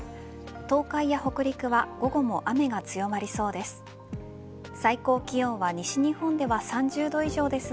東海や北陸は午後も雨が強まりそうです。